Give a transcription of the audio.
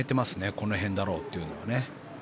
この辺だろうというのは。